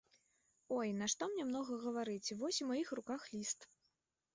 Ой, нашто мне многа гаварыць, вось у маіх руках ліст.